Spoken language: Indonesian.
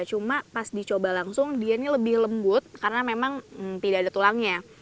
cuma pas dicoba langsung dia ini lebih lembut karena memang tidak ada tulangnya